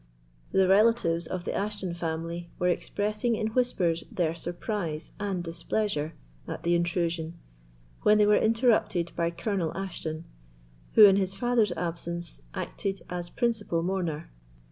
The relatives of the Ashton family were expressing in whispers their surprise and displeasure at the intrusion, when they were interrupted by Colonel Ashton, who, in his father's absence, acted as principal mourner.